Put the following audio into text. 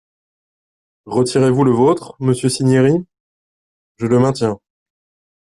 Retirez-vous le vôtre, monsieur Cinieri ? Je le maintiens.